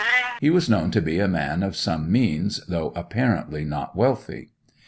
He was known to be a man of some means, though apparently not wealthy.